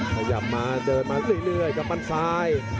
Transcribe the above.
ขยับมาเดินมาเรื่อยกำปั้นซ้าย